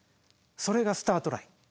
それがスタートライン。